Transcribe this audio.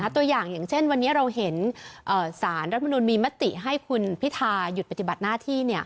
ตัวอย่างอย่างเช่นวันนี้เราเห็นสารรัฐมนุนมีมติให้คุณพิทาหยุดปฏิบัติหน้าที่